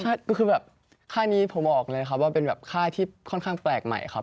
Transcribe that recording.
ใช่ก็คือแบบค่ายนี้ผมบอกเลยครับว่าเป็นแบบค่ายที่ค่อนข้างแปลกใหม่ครับ